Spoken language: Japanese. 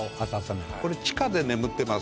これ地下で眠ってます。